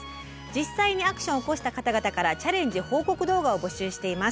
実際にアクションを起こした方々からチャレンジ報告動画を募集しています。